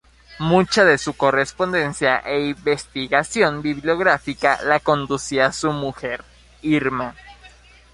Mucha de su correspondencia e investigación bibliográfica la conducía su mujer, Irma.